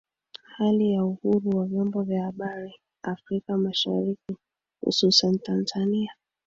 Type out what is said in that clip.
Hali ya uhuru wa vyombo vya habari Afrika Masharikihususani Tanzania